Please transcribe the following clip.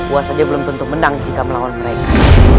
wah saja belum tentu menang jika melawan mereka